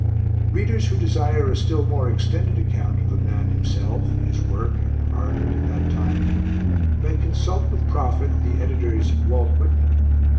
Readers who desire a still more extended account of the man himself, his work and environment at that time, may consult with profit the Editor's "Walt Whitman" (pp.